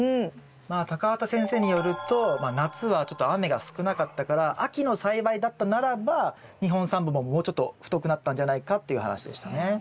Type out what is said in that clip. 畑先生によると夏はちょっと雨が少なかったから秋の栽培だったならば２本３本ももうちょっと太くなったんじゃないかっていう話でしたね。